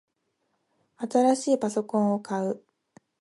新しいパソコンを買う